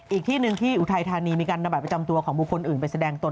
อีกที่หนึ่งที่อุทัยธานีมีการนำบัตรประจำตัวของบุคคลอื่นไปแสดงตน